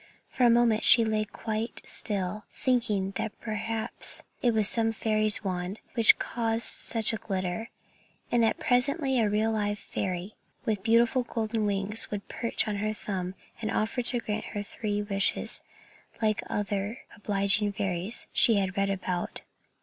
For a moment she lay quite still, thinking that perhaps it was some fairy's wand which caused such a glitter, and that presently a real, live fairy, with beautiful gold wings, would perch on her thumb, and offer to grant her three wishes like other obliging fairies she had read about.